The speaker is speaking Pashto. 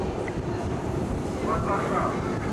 دا ستا د حسن د اختـــر پـــــــــــر تــــنـــــدي~